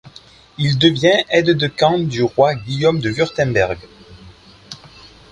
Il devient aide-de-camp du roi Guillaume de Wurtemberg.